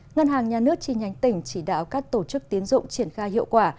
ngân hàng nhà nước chi nhánh tỉnh chỉ đạo các tổ chức tiến dụng triển khai hiệu quả